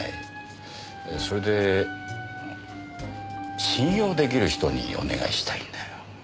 それで信用出来る人にお願いしたいんだよ。